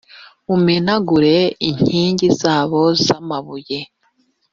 mumenagure inkingi zabo z’amabuye,